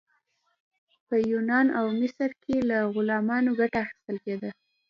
په یونان او مصر کې له غلامانو ګټه اخیستل کیده.